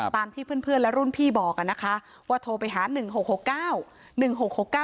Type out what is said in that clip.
ตามที่เพื่อนและรุ่นพี่บอกนะคะว่าโทรไปหา๑๖๖๙๑๖๖๙